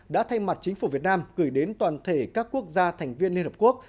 đã thay mặt chính phủ việt nam gửi đến toàn thể các quốc gia thành viên liên hợp quốc